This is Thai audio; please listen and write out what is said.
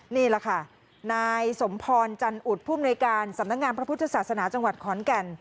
นี่แหละค่ะนายสมพรจันอุดผู้มนุยการสำนักงานพระพุทธศาสนาจังหวัดขอนแก่น